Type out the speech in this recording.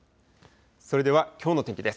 それではきょうの天気です。